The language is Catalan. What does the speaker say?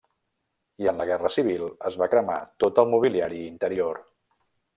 I en la guerra civil es va cremar tot el mobiliari interior.